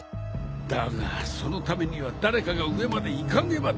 だがそのためには誰かが上まで行かねばならない。